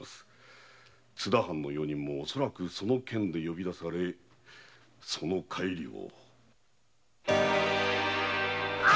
津田藩・用人もおそらくその件で呼び出されその帰りを。